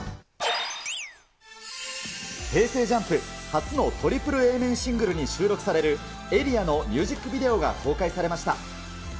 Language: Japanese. ＪＵＭＰ初のトリプルＡ面シングルに収録されるエリアのミュージックビデオが公開されました。